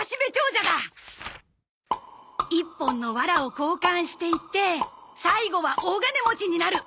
一本のワラを交換していって最後は大金持ちになる。